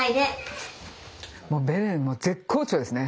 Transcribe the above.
もうベレンは絶好調ですね。